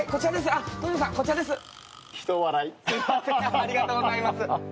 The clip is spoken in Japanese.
ありがとうございます。